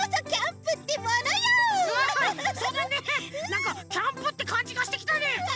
なんかキャンプってかんじがしてきたね！